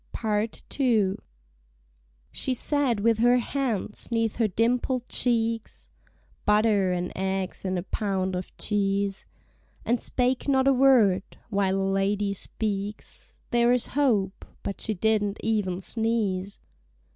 PART II. She sat with her hands 'neath her dimpled cheeks, (Butter and eggs and a pound of cheese) And spake not a word. While a lady speaks There is hope, but she didn't even sneeze.